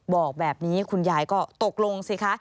บอกแบบนี้คุณยายก็ตกลงสิคะ